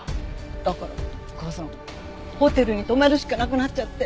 だから母さんホテルに泊まるしかなくなっちゃって。